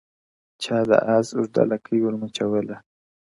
• چا د آس اوږده لکۍ ور مچوله ,